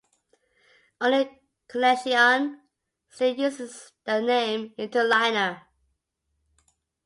Only Connexxion still uses the name Interliner.